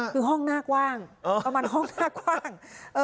คือห้องหน้ากว้างประมาณห้องหน้ากว้าง